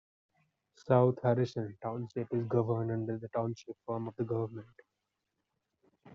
South Harrison Township is governed under the Township form of government.